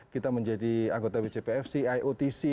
kita menjadi anggota wcpfc iotc